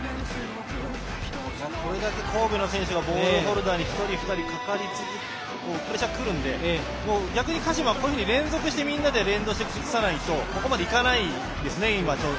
これだけ神戸の選手がボールホルダーに１人、２人プレッシャーくるんで逆に鹿島は連続してみんなで連動して崩さないとここまでいかないですね。